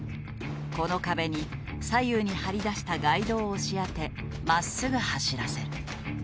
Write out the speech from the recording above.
この壁に左右に張り出したガイドを押し当てまっすぐ走らせる。